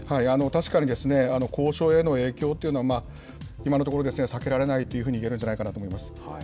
確かに交渉への影響というのは、今のところ、避けられないというふうに言えるんじゃないかなと思います。